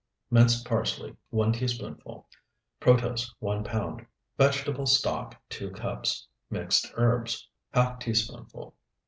Minced parsley, 1 teaspoonful. Protose, 1 pound. Vegetable stock, 2 cups. Mixed herbs, ½ teaspoonful.